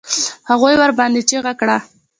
هغې ورباندې چيغه کړه.